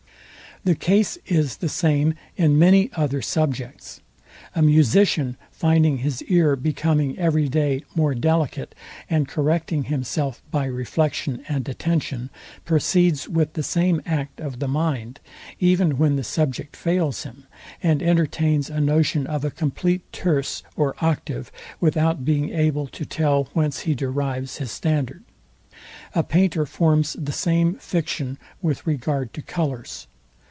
The case is the same in many other subjects. A musician finding his ear becoming every day more delicate, and correcting himself by reflection and attention, proceeds with the same act of the mind, even when the subject fails him, and entertains a notion of a compleat TIERCE or OCTAVE, without being able to tell whence he derives his standard. A painter forms the same fiction with regard to colours.